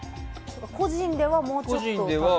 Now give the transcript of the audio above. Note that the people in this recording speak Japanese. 個人ではもうちょっと。